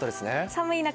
寒い中